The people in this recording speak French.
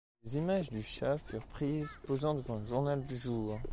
Des images du chat furent prises, posant devant un journal du jour.